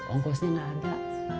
ongkosnya gak ada